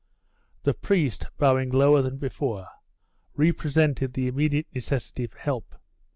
The priest, bowing lower than before, re presented the immediate necessity for help.